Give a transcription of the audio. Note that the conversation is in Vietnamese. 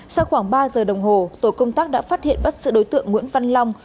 sau khoảng ba giờ đồng hồ tổ công tác đã phát hiện bắt sự đối tượng nguyễn văn long